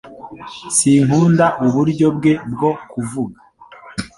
Sinkunda uburyo bwe bwo kuvuga